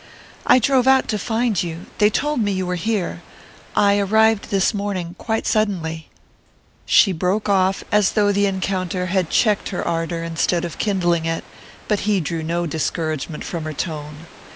"I drove out to find you they told me you were here I arrived this morning, quite suddenly...." She broke off, as though the encounter had checked her ardour instead of kindling it; but he drew no discouragement from her tone.